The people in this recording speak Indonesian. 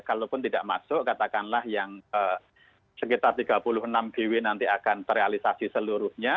kalaupun tidak masuk katakanlah yang sekitar tiga puluh enam gw nanti akan terrealisasi seluruhnya